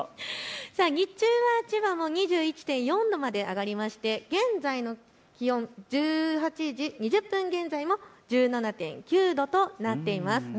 日中は千葉も２１．４度まで上がりまして現在の気温、１８時２０分現在、１７．９度となっています。